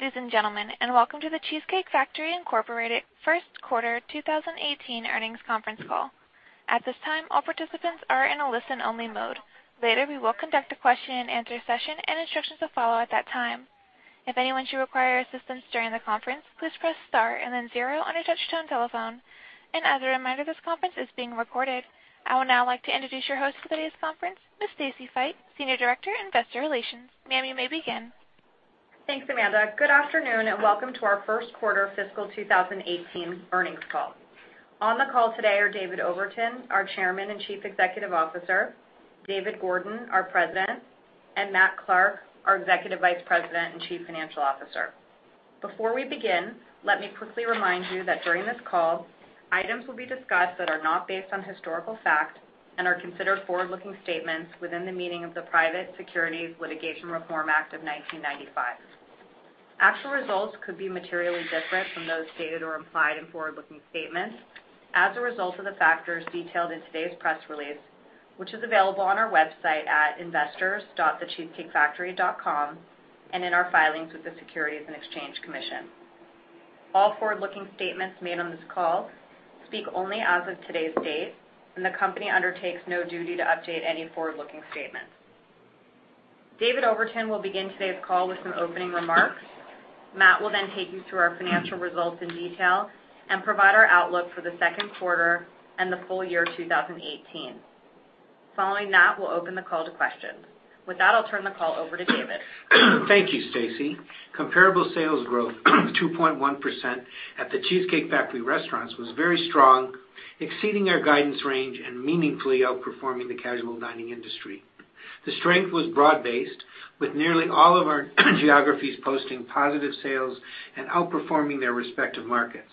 Good day, ladies and gentlemen, and welcome to The Cheesecake Factory Incorporated First Quarter 2018 Earnings Conference Call. At this time, all participants are in a listen-only mode. Later, we will conduct a question and answer session, and instructions will follow at that time. If anyone should require assistance during the conference, please press star and then zero on your touch-tone telephone. As a reminder, this conference is being recorded. I would now like to introduce your host for today's conference, Ms. Stacy Frole, Senior Director, Investor Relations. Ma'am, you may begin. Thanks, Amanda. Good afternoon, and welcome to our first quarter fiscal 2018 earnings call. On the call today are David Overton, our Chairman and Chief Executive Officer, David Gordon, our President, and Matt Clark, our Executive Vice President and Chief Financial Officer. Before we begin, let me quickly remind you that during this call, items will be discussed that are not based on historical fact and are considered forward-looking statements within the meaning of the Private Securities Litigation Reform Act of 1995. Actual results could be materially different from those stated or implied in forward-looking statements as a result of the factors detailed in today's press release, which is available on our website at investors.thecheesecakefactory.com and in our filings with the Securities and Exchange Commission. All forward-looking statements made on this call speak only as of today's date. The company undertakes no duty to update any forward-looking statements. David Overton will begin today's call with some opening remarks. Matt will then take you through our financial results in detail and provide our outlook for the second quarter and the full year 2018. Following that, we'll open the call to questions. With that, I'll turn the call over to David. Thank you, Stacy. Comparable sales growth of 2.1% at The Cheesecake Factory restaurants was very strong, exceeding our guidance range and meaningfully outperforming the casual dining industry. The strength was broad-based, with nearly all of our geographies posting positive sales and outperforming their respective markets.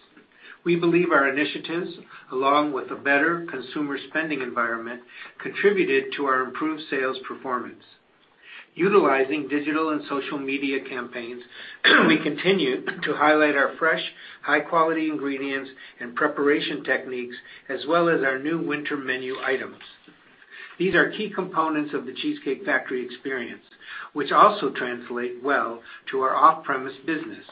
We believe our initiatives, along with the better consumer spending environment, contributed to our improved sales performance. Utilizing digital and social media campaigns, we continue to highlight our fresh, high-quality ingredients and preparation techniques, as well as our new winter menu items. These are key components of The Cheesecake Factory experience, which also translate well to our off-premise business.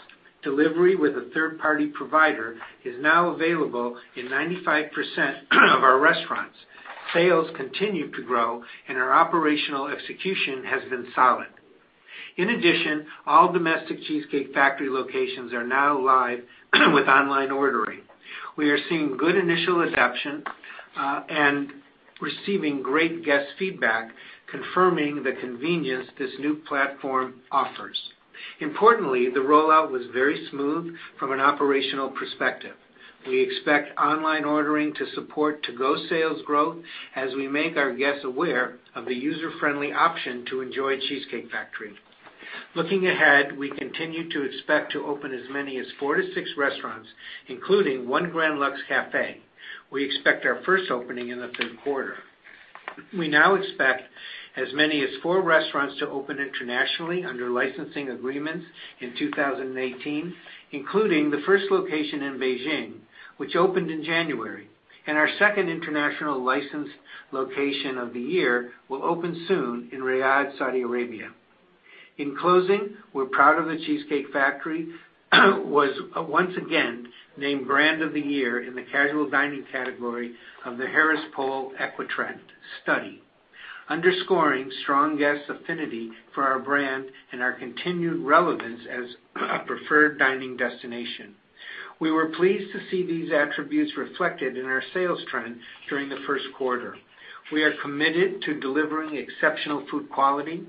Delivery with a third-party provider is now available in 95% of our restaurants. Sales continue to grow, and our operational execution has been solid. In addition, all domestic Cheesecake Factory locations are now live with online ordering. We are seeing good initial adoption, and receiving great guest feedback confirming the convenience this new platform offers. Importantly, the rollout was very smooth from an operational perspective. We expect online ordering to support to-go sales growth as we make our guests aware of the user-friendly option to enjoy The Cheesecake Factory. Looking ahead, we continue to expect to open as many as four to six restaurants, including one Grand Lux Cafe. We expect our first opening in the third quarter. We now expect as many as four restaurants to open internationally under licensing agreements in 2018, including the first location in Beijing, which opened in January, and our second international licensed location of the year will open soon in Riyadh, Saudi Arabia. In closing, we're proud of The Cheesecake Factory was once again named Brand of the Year in the casual dining category of the Harris Poll EquiTrend study, underscoring strong guest affinity for our brand and our continued relevance as a preferred dining destination. We were pleased to see these attributes reflected in our sales trend during the first quarter. We are committed to delivering exceptional food quality,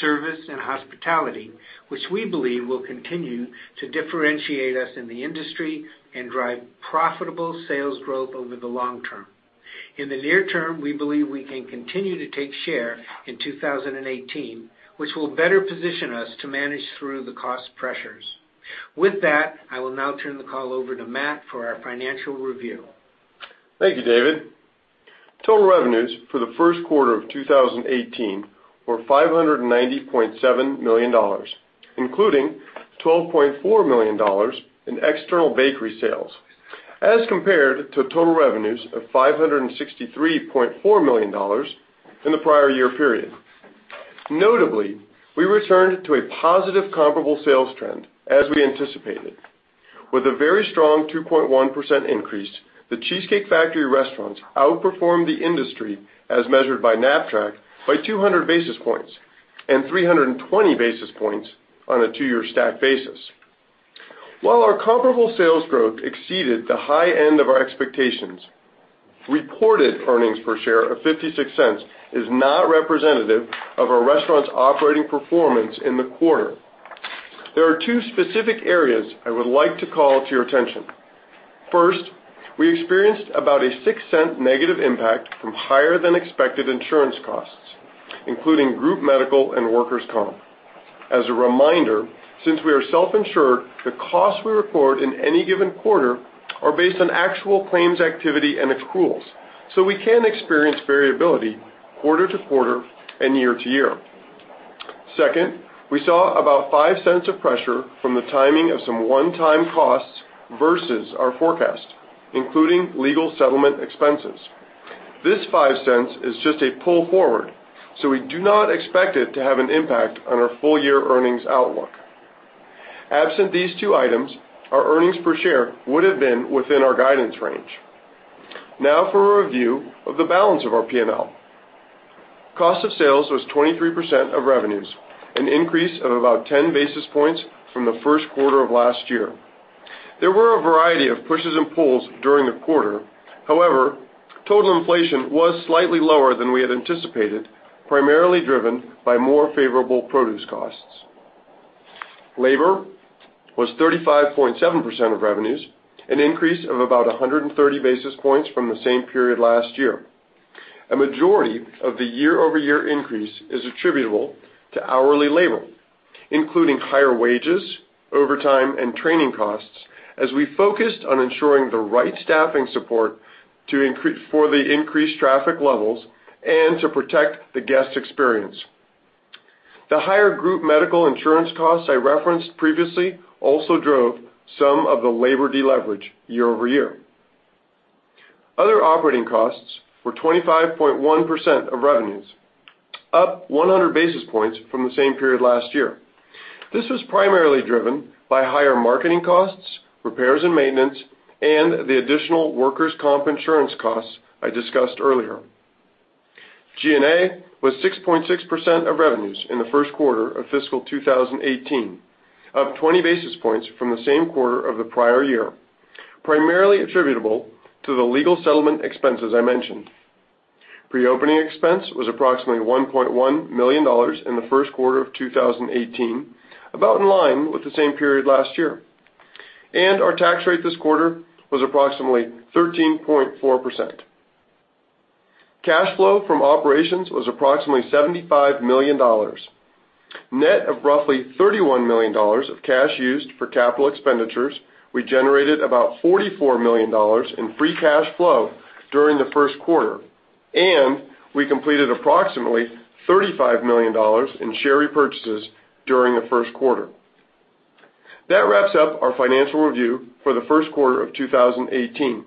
service, and hospitality, which we believe will continue to differentiate us in the industry and drive profitable sales growth over the long term. In the near term, we believe we can continue to take share in 2018, which will better position us to manage through the cost pressures. With that, I will now turn the call over to Matt for our financial review. Thank you, David. Total revenues for the first quarter of 2018 were $590.7 million, including $12.4 million in external bakery sales, as compared to total revenues of $563.4 million in the prior year period. Notably, we returned to a positive comparable sales trend as we anticipated. With a very strong 2.1% increase, The Cheesecake Factory restaurants outperformed the industry, as measured by Knapp-Track, by 200 basis points, and 320 basis points on a two-year stack basis. While our comparable sales growth exceeded the high end of our expectations, reported earnings per share of $0.56 is not representative of our restaurant's operating performance in the quarter. There are two specific areas I would like to call to your attention. First, we experienced about a $0.06 negative impact from higher than expected insurance costs, including group medical and workers' comp. As a reminder, since we are self-insured, the costs we report in any given quarter are based on actual claims activity and accruals, so we can experience variability quarter-to-quarter and year-to-year. Second, we saw about $0.05 of pressure from the timing of some one-time costs versus our forecast, including legal settlement expenses. This $0.05 is just a pull forward, so we do not expect it to have an impact on our full-year earnings outlook. Absent these two items, our earnings per share would have been within our guidance range. Now for a review of the balance of our P&L. Cost of sales was 23% of revenues, an increase of about 10 basis points from the first quarter of last year. There were a variety of pushes and pulls during the quarter. However, total inflation was slightly lower than we had anticipated, primarily driven by more favorable produce costs. Labor was 35.7% of revenues, an increase of about 130 basis points from the same period last year. A majority of the year-over-year increase is attributable to hourly labor, including higher wages, overtime, and training costs as we focused on ensuring the right staffing support for the increased traffic levels, and to protect the guest experience. The higher group medical insurance costs I referenced previously also drove some of the labor de-leverage year-over-year. Other operating costs were 25.1% of revenues, up 100 basis points from the same period last year. This was primarily driven by higher marketing costs, repairs and maintenance, and the additional workers' comp insurance costs I discussed earlier. G&A was 6.6% of revenues in the first quarter of fiscal 2018, up 20 basis points from the same quarter of the prior year, primarily attributable to the legal settlement expenses I mentioned. Pre-opening expense was approximately $1.1 million in the first quarter of 2018, about in line with the same period last year. Our tax rate this quarter was approximately 13.4%. Cash flow from operations was approximately $75 million. Net of roughly $31 million of cash used for capital expenditures, we generated about $44 million in free cash flow during the first quarter. We completed approximately $35 million in share repurchases during the first quarter. That wraps up our financial review for the first quarter of 2018.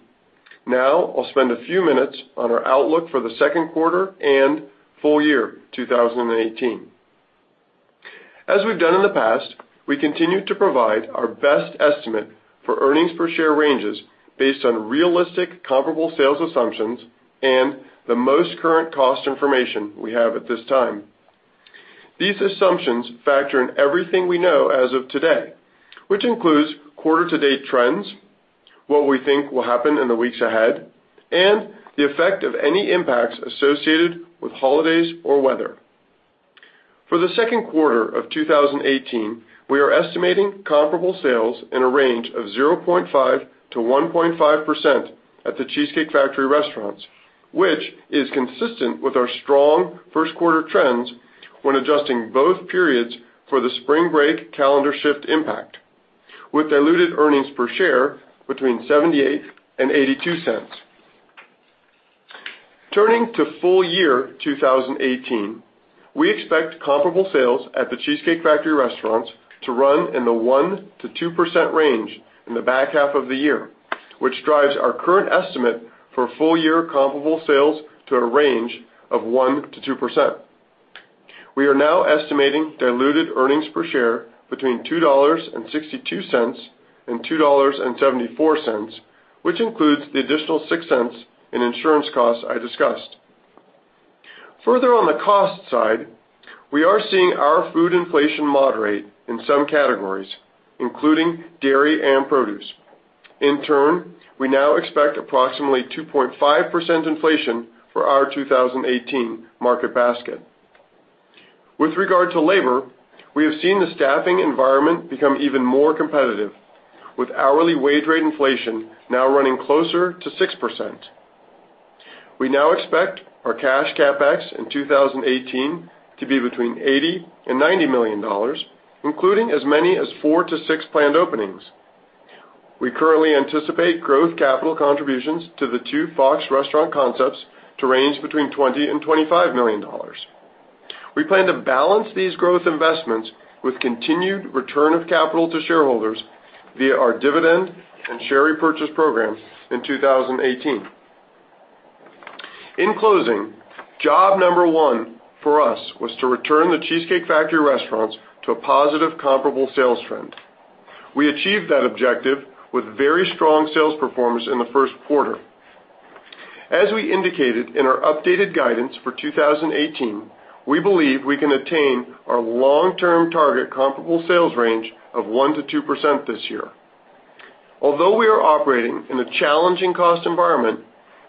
Now, I'll spend a few minutes on our outlook for the second quarter and full year 2018. As we've done in the past, we continue to provide our best estimate for earnings per share ranges based on realistic comparable sales assumptions and the most current cost information we have at this time. These assumptions factor in everything we know as of today, which includes quarter-to-date trends, what we think will happen in the weeks ahead, and the effect of any impacts associated with holidays or weather. For the second quarter of 2018, we are estimating comparable sales in a range of 0.5%-1.5% at The Cheesecake Factory restaurants, which is consistent with our strong first quarter trends when adjusting both periods for the spring break calendar shift impact, with diluted earnings per share between $0.78 and $0.82. Turning to full year 2018, we expect comparable sales at The Cheesecake Factory restaurants to run in the 1%-2% range in the back half of the year, which drives our current estimate for full year comparable sales to a range of 1%-2%. We are now estimating diluted earnings per share between $2.62 and $2.74, which includes the additional $0.06 in insurance costs I discussed. Further on the cost side, we are seeing our food inflation moderate in some categories, including dairy and produce. In turn, we now expect approximately 2.5% inflation for our 2018 market basket. With regard to labor, we have seen the staffing environment become even more competitive, with hourly wage rate inflation now running closer to 6%. We now expect our cash CapEx in 2018 to be between $80 million and $90 million, including as many as four to six planned openings. We currently anticipate growth capital contributions to the two Fox Restaurant Concepts to range between $20 million and $25 million. We plan to balance these growth investments with continued return of capital to shareholders via our dividend and share repurchase program in 2018. In closing, job number one for us was to return The Cheesecake Factory restaurants to a positive comparable sales trend. We achieved that objective with very strong sales performance in the first quarter. As we indicated in our updated guidance for 2018, we believe we can attain our long-term target comparable sales range of 1%-2% this year. Although we are operating in a challenging cost environment,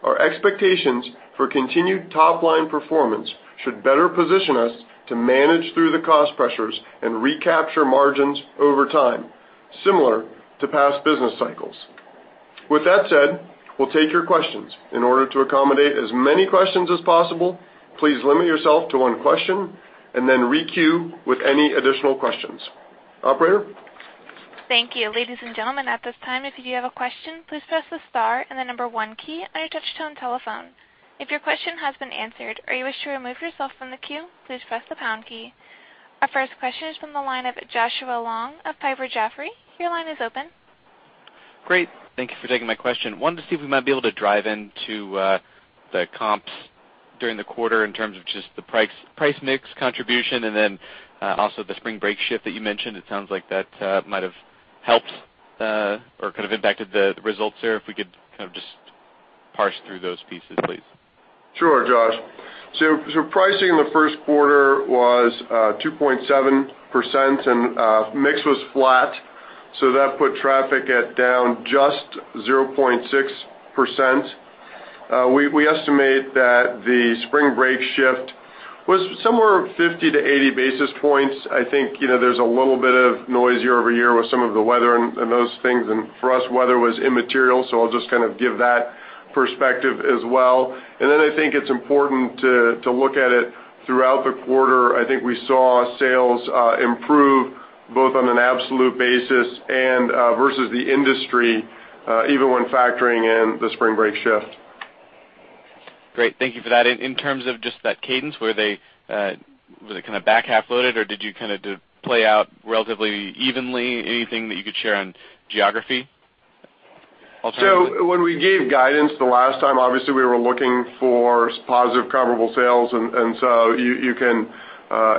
our expectations for continued top-line performance should better position us to manage through the cost pressures and recapture margins over time, similar to past business cycles. With that said, we'll take your questions. In order to accommodate as many questions as possible, please limit yourself to one question, and then re-queue with any additional questions. Operator? Thank you. Ladies and gentlemen, at this time, if you do have a question, please press the star and the number 1 key on your touchtone telephone. If your question has been answered, or you wish to remove yourself from the queue, please press the pound key. Our first question is from the line of Joshua Long of Piper Jaffray. Your line is open. Great. Thank you for taking my question. I wanted to see if we might be able to drive into the comps during the quarter in terms of just the price mix contribution, and then also the spring break shift that you mentioned. It sounds like that might have helped or impacted the results there, if we could just parse through those pieces, please. Sure, Josh. Pricing in the first quarter was 2.7%, and mix was flat. That put traffic at down just 0.6%. We estimate that the spring break shift was somewhere 50-80 basis points. I think there's a little bit of noise year-over-year with some of the weather and those things. For us, weather was immaterial, so I'll just give that perspective as well. Then I think it's important to look at it throughout the quarter. I think we saw sales improve both on an absolute basis and versus the industry, even when factoring in the spring break shift. Great. Thank you for that. In terms of just that cadence, was it back half loaded, or did you play out relatively evenly? Anything that you could share on geography alternatively? When we gave guidance the last time, obviously, we were looking for positive comparable sales, you can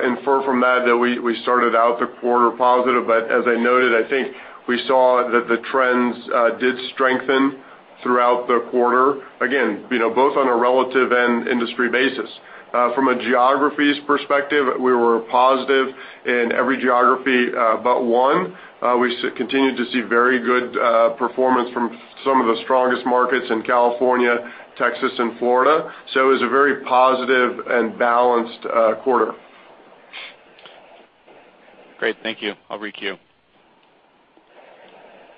infer from that that we started out the quarter positive. As I noted, I think we saw that the trends did strengthen throughout the quarter, again, both on a relative and industry basis. From a geographies perspective, we were positive in every geography but one. We continue to see very good performance from some of the strongest markets in California, Texas, and Florida. It was a very positive and balanced quarter. Great. Thank you. I'll re-queue.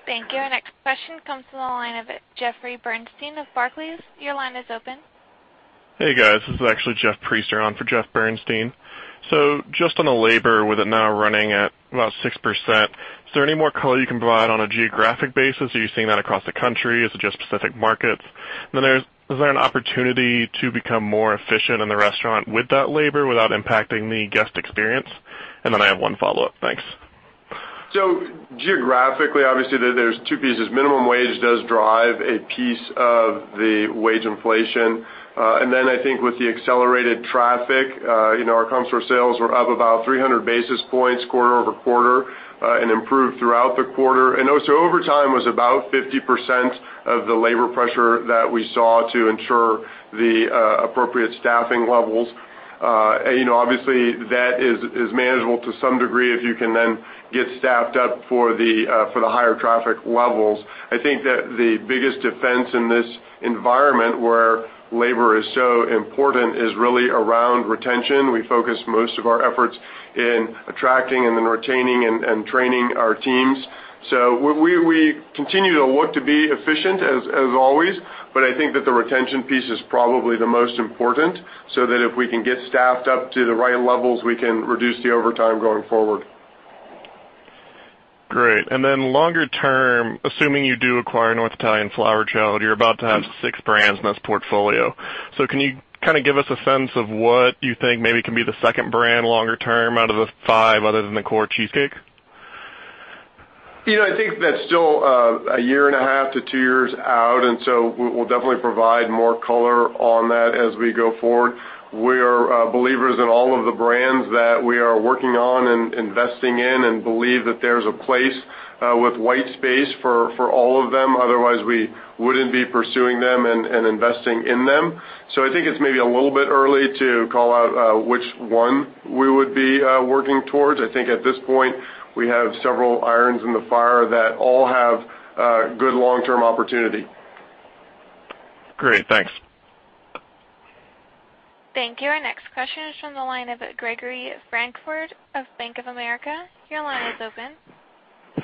Thank you. Our next question comes from the line of Jeffrey Bernstein of Barclays. Your line is open. Hey, guys. This is actually Jeff Priester on for Jeff Bernstein. Just on the labor, with it now running at about 6%, is there any more color you can provide on a geographic basis? Are you seeing that across the country? Is it just specific markets? Is there an opportunity to become more efficient in the restaurant with that labor without impacting the guest experience? I have one follow-up. Thanks. Geographically, obviously, there's two pieces. Minimum wage does drive a piece of the wage inflation. I think with the accelerated traffic, our comps for sales were up about 300 basis points quarter-over-quarter, and improved throughout the quarter. Overtime was about 50% of the labor pressure that we saw to ensure the appropriate staffing levels. Obviously, that is manageable to some degree if you can then get staffed up for the higher traffic levels. I think that the biggest defense in this environment where labor is so important is really around retention. We focus most of our efforts in attracting and then retaining and training our teams. We continue to look to be efficient as always, I think that the retention piece is probably the most important, that if we can get staffed up to the right levels, we can reduce the overtime going forward. Great. Longer term, assuming you do acquire North Italia Flower Child, you're about to have six brands in this portfolio. Can you give us a sense of what you think maybe can be the second brand longer term out of the five other than the core cheesecake? I think that's still a year and a half to two years out, we'll definitely provide more color on that as we go forward. We are believers in all of the brands that we are working on and investing in and believe that there's a place with white space for all of them. Otherwise, we wouldn't be pursuing them and investing in them. I think it's maybe a little bit early to call out which one we would be working towards. I think at this point, we have several irons in the fire that all have good long-term opportunity. Great. Thanks. Thank you. Our next question is from the line of Gregory Frankford of Bank of America. Your line is open.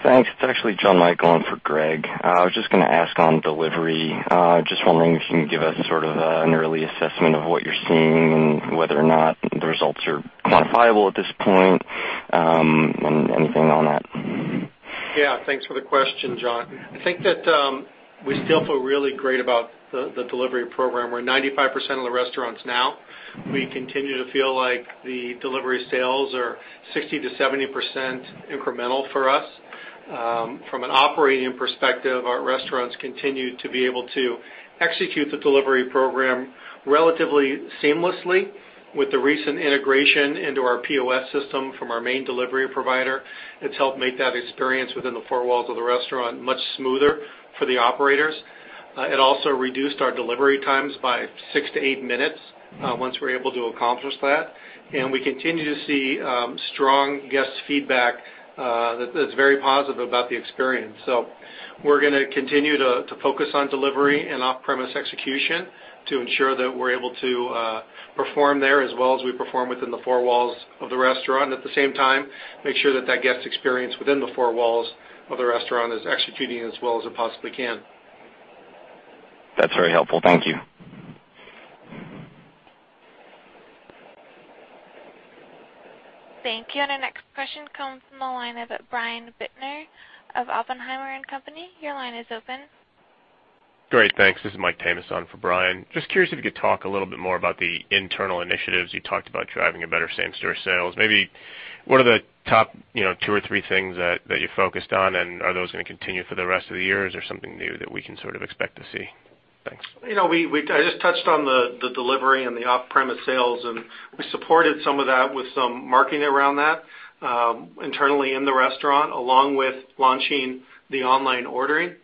Thanks. It's actually John Michael on for Greg. I was just going to ask on delivery, just wondering if you can give us sort of an early assessment of what you're seeing and whether or not the results are quantifiable at this point, and anything on that. Yeah, thanks for the question, John. I think that we still feel really great about the delivery program. We're at 95% of the restaurants now. We continue to feel like the delivery sales are 60%-70% incremental for us. From an operating perspective, our restaurants continue to be able to execute the delivery program relatively seamlessly with the recent integration into our POS system from our main delivery provider. It's helped make that experience within the four walls of the restaurant much smoother for the operators. It also reduced our delivery times by six to eight minutes once we were able to accomplish that. We continue to see strong guest feedback that's very positive about the experience. We're going to continue to focus on delivery and off-premise execution to ensure that we're able to perform there as well as we perform within the four walls of the restaurant. At the same time, make sure that that guest experience within the four walls of the restaurant is executing as well as it possibly can. That's very helpful. Thank you. Thank you. Our next question comes from the line of Brian Bittner of Oppenheimer & Co. Inc. Your line is open. Great. Thanks. This is Michael Tamas for Brian. Curious if you could talk a little bit more about the internal initiatives. You talked about driving a better same-store sales. What are the top two or three things that you focused on, and are those going to continue for the rest of the year? Is there something new that we can sort of expect to see? Thanks. I just touched on the delivery and the off-premise sales, we supported some of that with some marketing around that, internally in the restaurant, along with launching the online ordering,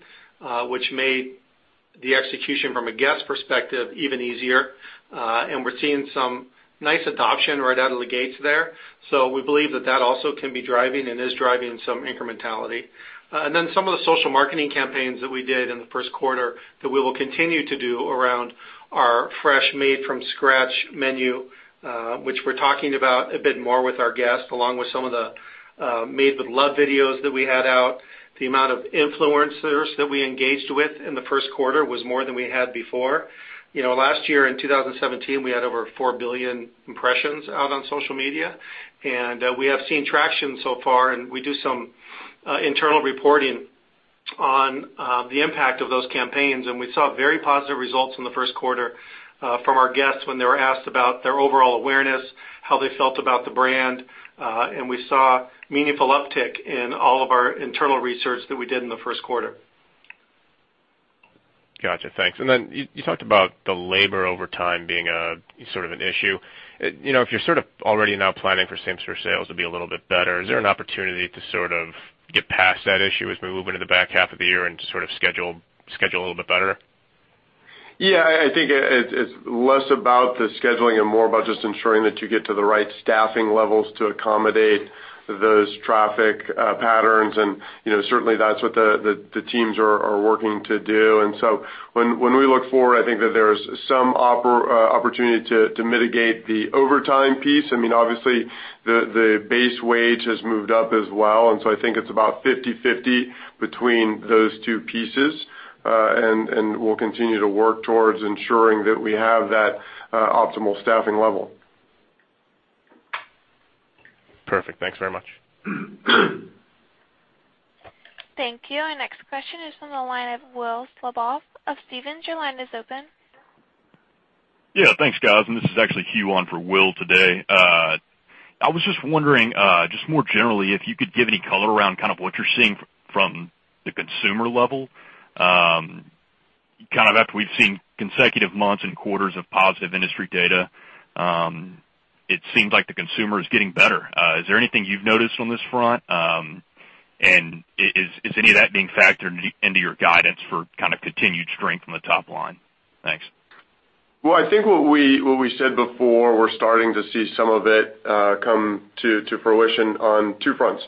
which made the execution from a guest perspective even easier. We're seeing some nice adoption right out of the gates there. We believe that that also can be driving and is driving some incrementality. Some of the social marketing campaigns that we did in the first quarter that we will continue to do around our fresh, made-from-scratch menu, which we're talking about a bit more with our guests, along with some of the Made with Love videos that we had out. The amount of influencers that we engaged with in the first quarter was more than we had before. Last year, in 2017, we had over four billion impressions out on social media, we have seen traction so far, we do some internal reporting on the impact of those campaigns. We saw very positive results in the first quarter from our guests when they were asked about their overall awareness, how they felt about the brand. We saw a meaningful uptick in all of our internal research that we did in the first quarter. Got you. Thanks. Then you talked about the labor overtime being a sort of an issue. If you're sort of already now planning for same-store sales to be a little bit better, is there an opportunity to sort of get past that issue as we move into the back half of the year and sort of schedule a little bit better? Yeah, I think it's less about the scheduling and more about just ensuring that you get to the right staffing levels to accommodate those traffic patterns, and certainly that's what the teams are working to do. When we look forward, I think that there's some opportunity to mitigate the overtime piece. Obviously, the base wage has moved up as well, I think it's about 50/50 between those two pieces. We'll continue to work towards ensuring that we have that optimal staffing level. Perfect. Thanks very much. Thank you. Our next question is from the line of Will Slabaugh of Stephens. Your line is open. Yeah, thanks, guys. This is actually Hugh on for Will today. I was just wondering, just more generally, if you could give any color around kind of what you're seeing from the consumer level. Kind of after we've seen consecutive months and quarters of positive industry data, it seems like the consumer is getting better. Is there anything you've noticed on this front? Is any of that being factored into your guidance for kind of continued strength on the top line? Thanks. Well, I think what we said before, we're starting to see some of it come to fruition on two fronts.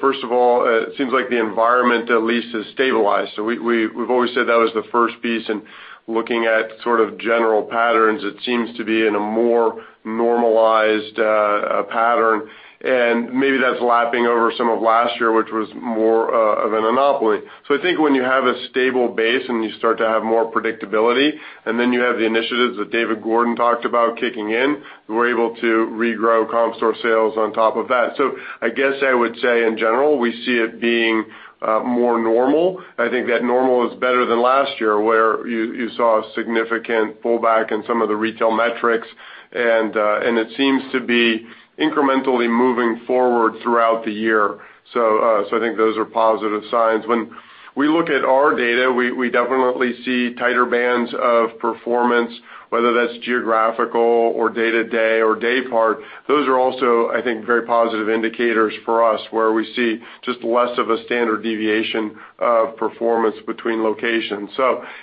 First of all, it seems like the environment at least has stabilized. We've always said that was the first piece, and looking at sort of general patterns, it seems to be in a more normalized pattern. Maybe that's lapping over some of last year, which was more of an anomaly. I think when you have a stable base and you start to have more predictability, and then you have the initiatives that David Gordon talked about kicking in, we're able to regrow comp store sales on top of that. I guess I would say in general, we see it being more normal. I think that normal is better than last year, where you saw a significant pullback in some of the retail metrics, and it seems to be incrementally moving forward throughout the year. I think those are positive signs. When we look at our data, we definitely see tighter bands of performance, whether that's geographical or day-to-day or day part. Those are also, I think, very positive indicators for us, where we see just less of a standard deviation of performance between locations.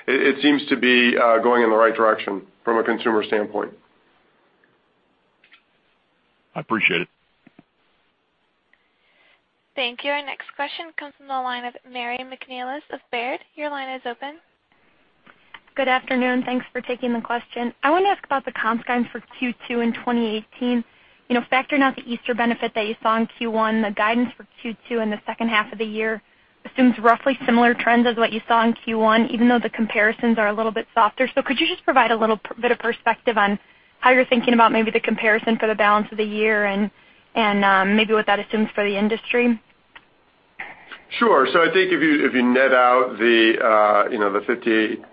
It seems to be going in the right direction from a consumer standpoint. I appreciate it. Thank you. Our next question comes from the line of Mary McNellis of Baird. Your line is open. Good afternoon, thanks for taking the question. I want to ask about the comps guidance for Q2 in 2018. Factoring out the Easter benefit that you saw in Q1, the guidance for Q2 and the second half of the year assumes roughly similar trends as what you saw in Q1, even though the comparisons are a little bit softer. Could you just provide a little bit of perspective on how you're thinking about maybe the comparison for the balance of the year and maybe what that assumes for the industry? Sure. I think if you net out the 50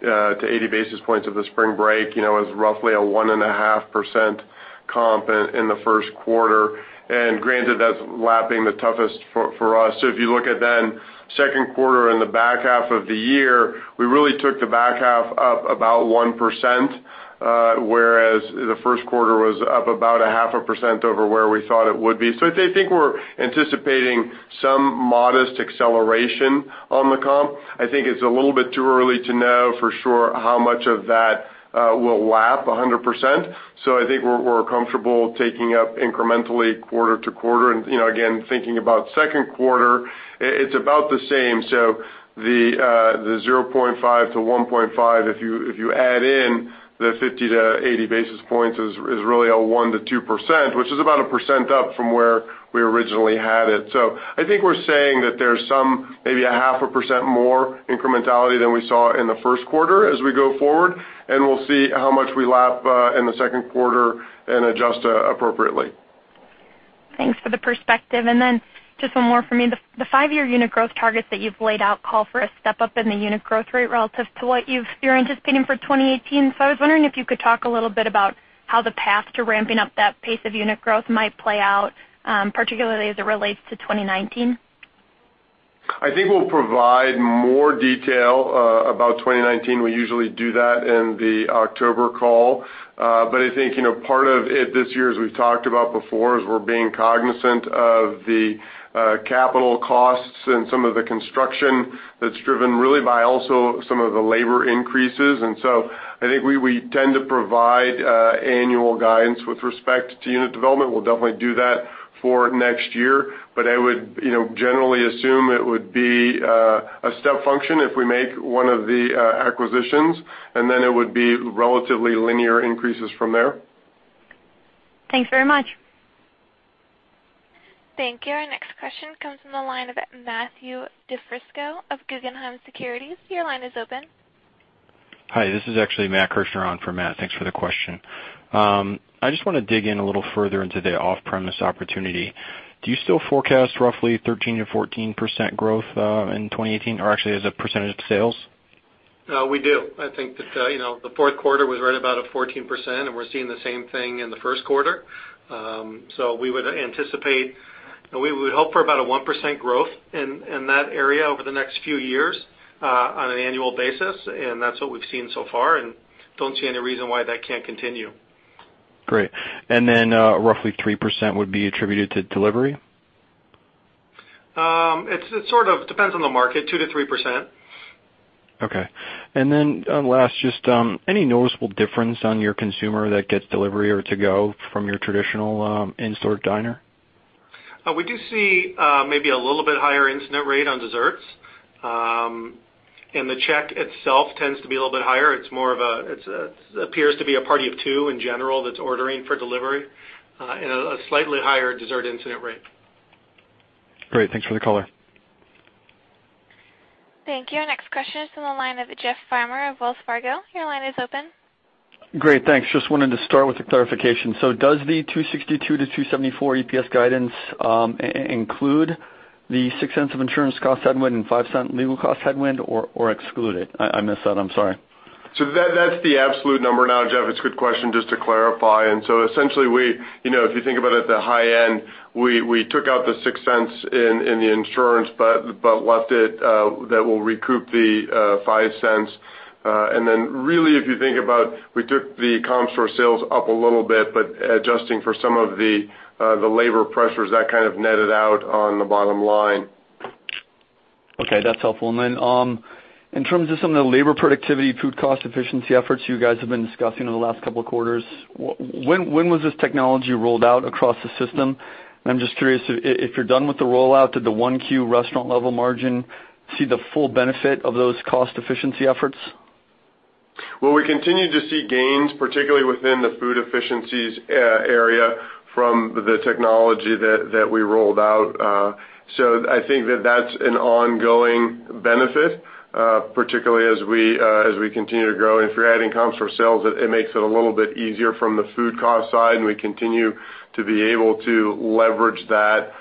to 80 basis points of the spring break, as roughly a 1.5% comp in the first quarter, and granted that's lapping the toughest for us. If you look at then second quarter and the back half of the year, we really took the back half up about 1%, whereas the first quarter was up about 0.5% over where we thought it would be. I think we're anticipating some modest acceleration on the comp. I think it's a little bit too early to know for sure how much of that will lap 100%. I think we're comfortable taking up incrementally quarter to quarter. And again, thinking about second quarter, it's about the same. The 0.5%-1.5%, if you add in the 50 to 80 basis points, is really a 1%-2%, which is about 1% up from where we originally had it. I think we're saying that there's some, maybe 0.5% more incrementality than we saw in the first quarter as we go forward, and we'll see how much we lap in the second quarter and adjust appropriately. Thanks for the perspective. Just one more for me. The five-year unit growth targets that you've laid out call for a step-up in the unit growth rate relative to what you're anticipating for 2018. I was wondering if you could talk a little bit about how the path to ramping up that pace of unit growth might play out, particularly as it relates to 2019. I think we'll provide more detail about 2019. We usually do that in the October call. I think, part of it this year, as we've talked about before, is we're being cognizant of the capital costs and some of the construction that's driven really by also some of the labor increases. I think we tend to provide annual guidance with respect to unit development. We'll definitely do that for next year. I would generally assume it would be a step function if we make one of the acquisitions, and then it would be relatively linear increases from there. Thanks very much. Thank you. Our next question comes from the line of Matthew DiFrisco of Guggenheim Securities. Your line is open. Hi, this is actually Matt Kirschner on for Matt. Thanks for the question. I just want to dig in a little further into the off-premise opportunity. Do you still forecast roughly 13%-14% growth in 2018, or actually as a percentage of sales? We do. I think that the fourth quarter was right about a 14%, we're seeing the same thing in the first quarter. We would anticipate, we would hope for about a 1% growth in that area over the next few years on an annual basis. That's what we've seen so far, don't see any reason why that can't continue. Great. Roughly 3% would be attributed to delivery? It sort of depends on the market, 2%-3%. Okay. Then last, just any noticeable difference on your consumer that gets delivery or to go from your traditional in-store diner? We do see maybe a little bit higher incident rate on desserts. The check itself tends to be a little bit higher. It appears to be a party of two in general that's ordering for delivery, and a slightly higher dessert incident rate. Great. Thanks for the color. Thank you. Our next question is from the line of Jeff Farmer of Wells Fargo. Your line is open. Great. Thanks. Just wanted to start with a clarification. Does the $2.62-$2.74 EPS guidance include the $0.06 of insurance cost headwind and $0.05 legal cost headwind, or exclude it? I missed that, I'm sorry. That's the absolute number. Now, Jeff, it's a good question just to clarify. Essentially, if you think about it at the high end, we took out the $0.06 in the insurance, but left it that we'll recoup the $0.05. Really, if you think about, we took the comp store sales up a little bit, but adjusting for some of the labor pressures, that kind of netted out on the bottom line. Okay. That's helpful. In terms of some of the labor productivity, food cost efficiency efforts you guys have been discussing over the last couple of quarters, when was this technology rolled out across the system? I'm just curious if you're done with the rollout, did the 1Q restaurant level margin see the full benefit of those cost efficiency efforts? Well, we continue to see gains, particularly within the food efficiencies area from the technology that we rolled out. I think that that's an ongoing benefit, particularly as we continue to grow. If you're adding comp store sales, it makes it a little bit easier from the food cost side, and we continue to be able to leverage that,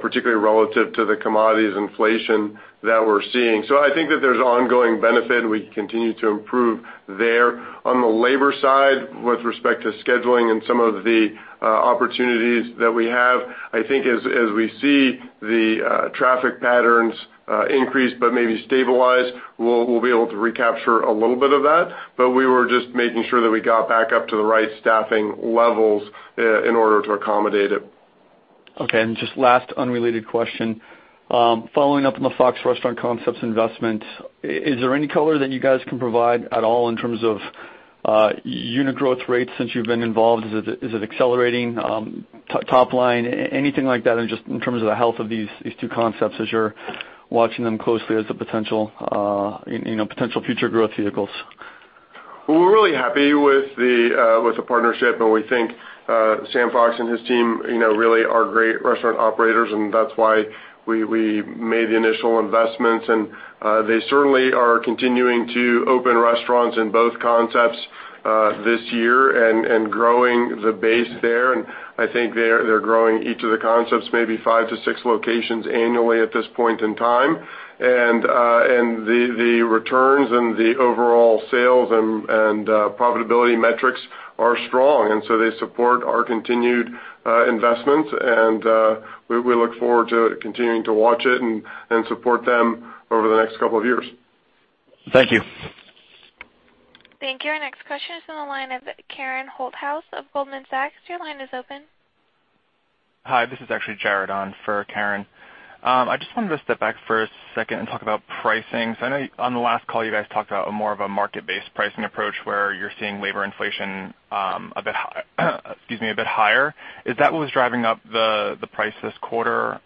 particularly relative to the commodities inflation that we're seeing. I think that there's ongoing benefit, and we continue to improve there. On the labor side, with respect to scheduling and some of the opportunities that we have, I think as we see the traffic patterns increase but maybe stabilize, we'll be able to recapture a little bit of that. We were just making sure that we got back up to the right staffing levels in order to accommodate it. Just last unrelated question. Following up on the Fox Restaurant Concepts investment, is there any color that you guys can provide at all in terms of unit growth rates since you've been involved? Is it accelerating top line? Anything like that in terms of the health of these two concepts as you're watching them closely as a potential future growth vehicles? We're really happy with the partnership, and we think Sam Fox and his team really are great restaurant operators, and that's why we made the initial investments. They certainly are continuing to open restaurants in both concepts this year and growing the base there. I think they're growing each of the concepts maybe five to six locations annually at this point in time. The returns and the overall sales and profitability metrics are strong, so they support our continued investment, and we look forward to continuing to watch it and support them over the next couple of years. Thank you. Thank you. Our next question is from the line of Karen Holthouse of Goldman Sachs. Your line is open. Hi, this is actually Jared on for Karen. I just wanted to step back for a second and talk about pricing. I know on the last call, you guys talked about more of a market-based pricing approach where you're seeing labor inflation a bit higher. Is that what was driving up the price this quarter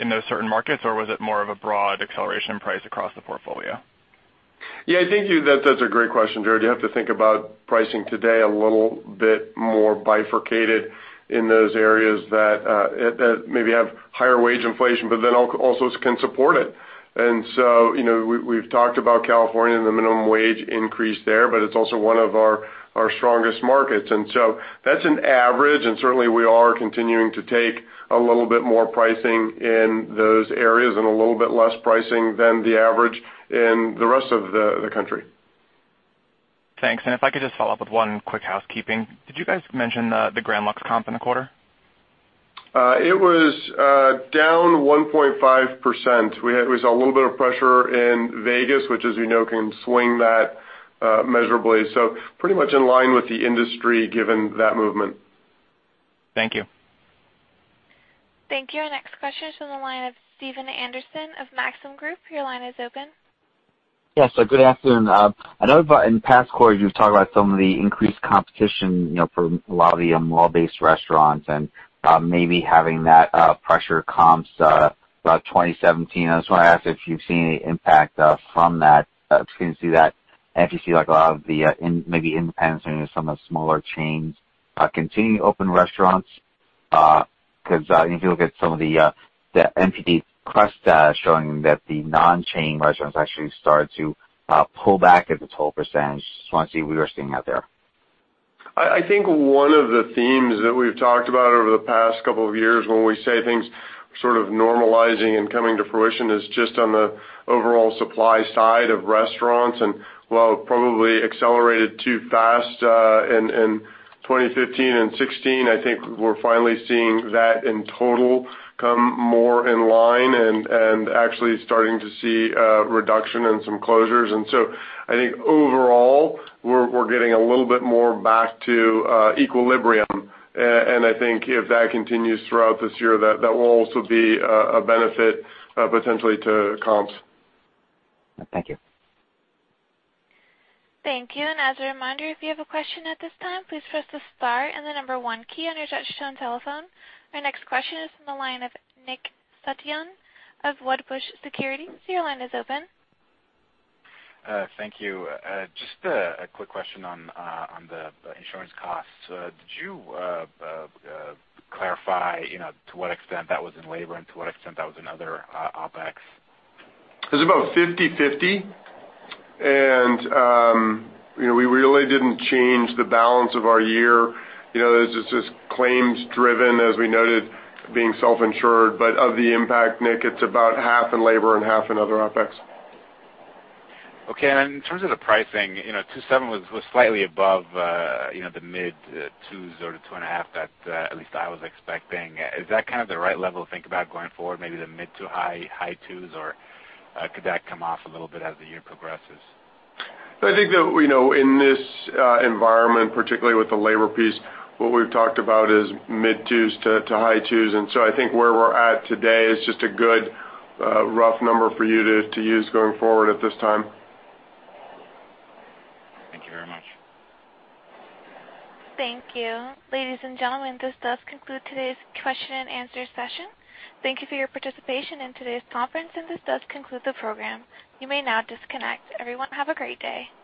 in those certain markets, or was it more of a broad acceleration price across the portfolio? I think that's a great question, Jared. You have to think about pricing today a little bit more bifurcated in those areas that maybe have higher wage inflation, also can support it. We've talked about California and the minimum wage increase there, but it's also one of our strongest markets. That's an average, certainly we are continuing to take a little bit more pricing in those areas and a little bit less pricing than the average in the rest of the country. Thanks. If I could just follow up with one quick housekeeping. Did you guys mention the Grand Lux comp in the quarter? It was down 1.5%. We saw a little bit of pressure in Vegas, which, as you know, can swing that measurably. Pretty much in line with the industry given that movement. Thank you. Thank you. Our next question is from the line of Stephen Anderson of Maxim Group. Your line is open. Yes, good afternoon. I know in past quarters you've talked about some of the increased competition for a lot of the mall-based restaurants and maybe having that pressure comps throughout 2017. I just want to ask if you've seen any impact from that, if you can see that, and if you see a lot of the maybe independents or some of the smaller chains continuing to open restaurants. Because if you look at some of the NPD CREST data showing that the non-chain restaurants actually started to pull back as a total %. Just want to see what you are seeing out there. I think one of the themes that we've talked about over the past couple of years when we say things sort of normalizing and coming to fruition is just on the overall supply side of restaurants. While it probably accelerated too fast in 2015 and 2016, I think we're finally seeing that in total come more in line and actually starting to see a reduction and some closures. I think overall, we're getting a little bit more back to equilibrium, and I think if that continues throughout this year, that will also be a benefit potentially to comps. Thank you. Thank you. As a reminder, if you have a question at this time, please press the star and the number 1 key on your touchtone telephone. Our next question is from the line of Nick Setyan of Wedbush Securities. Your line is open. Thank you. Just a quick question on the insurance costs. Did you clarify to what extent that was in labor and to what extent that was in other OpEx? It was about 50/50. We really didn't change the balance of our year. It's just claims driven, as we noted, being self-insured. Of the impact, Nick, it's about half in labor and half in other OpEx. In terms of the pricing, 2.7 was slightly above the mid 2s or the 2.5 that at least I was expecting. Is that kind of the right level to think about going forward, maybe the mid to high 2s, or could that come off a little bit as the year progresses? I think that in this environment, particularly with the labor piece, what we've talked about is mid 2s to high 2s. I think where we're at today is just a good rough number for you to use going forward at this time. Thank you very much. Thank you. Ladies and gentlemen, this does conclude today's question and answer session. Thank you for your participation in today's conference, this does conclude the program. You may now disconnect. Everyone, have a great day.